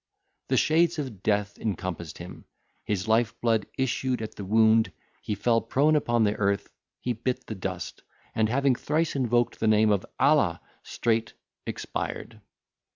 The shades of death encompassed him, his life blood issued at the wound, he fell prone upon the earth, he bit the dust, and having thrice invoked the name of Allah! straight expired.